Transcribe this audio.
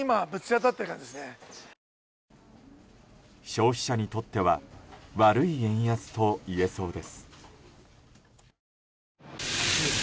消費者にとっては悪い円安といえそうです。